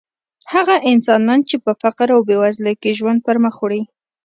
هغه انسانان چې په فقر او بېوزلۍ کې ژوند پرمخ وړي.